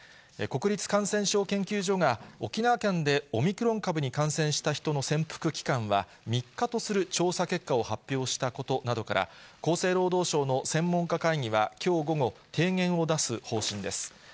国立感染症研究所が沖縄県でオミクロン株に感染した人の潜伏期間は３日とする調査結果を発表したことなどから、厚生労働省の専門家会議はきょう午後、提言を出す方針です。